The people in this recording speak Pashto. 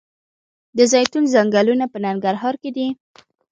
د زیتون ځنګلونه په ننګرهار کې دي؟